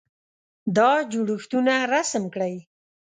دا جوړښتونه رسم کړئ.